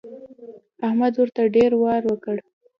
احمد ورته ډېر وار وکړ.